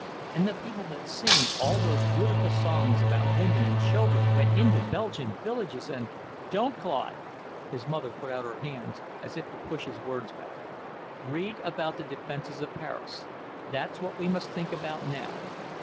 And the people that sing all those beautiful songs about women and children went into Belgian villages and " "Don't, Claude!" his mother put out her hands as if to push his words back. "Read about the defences of Paris; that's what we must think about now.